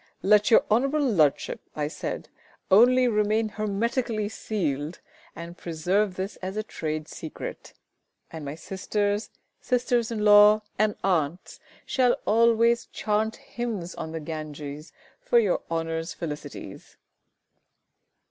"Let your Hon'ble Ludship," I said, "only remain hermetically sealed, and preserve this as a trade secret, and my sisters, sisters in law, and aunts shall always chant hymns on the Ganges for your Honour's felicities!"